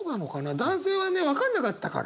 男性はね分かんなかったから。